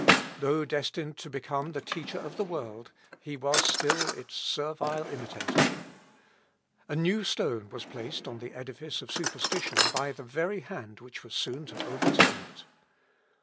Though destined to become the teacher of the world, he was still its servile imitator. A new stone was placed on the edifice of superstition by the very hand which was soon to overturn it.